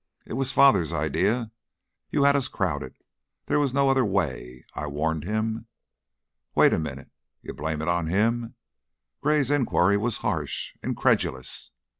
"It was father's idea! You had us crowded there was no other way. I warned him " "Wait a minute! You blame it on him?" Gray's inquiry was harsh, incredulous.